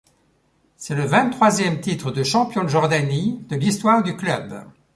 C'est le vingt-troisième titre de champion de Jordanie de l'histoire du club.